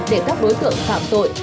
để các đối tượng phạm tội